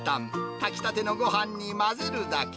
炊きたてのごはんに混ぜるだけ。